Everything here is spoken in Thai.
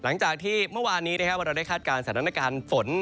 หลังจากที่เมื่อวานนี้เราได้คาดการณ์สถานการณ์ฝน